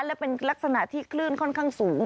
และเป็นลักษณะที่คลื่นค่อนข้างสูง